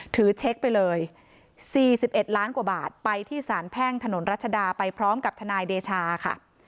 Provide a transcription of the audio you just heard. ถือเช็คไปเลย๔๑ล้านกว่าบาทไปที่สารแพ่งถนนรัชดาไปพร้อมกับทนายเดชาค่ะ